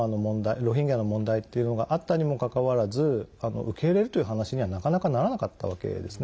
ロヒンギャの問題というのがあったにもかかわらず受け入れるという話にはなかなかならなかったわけですね。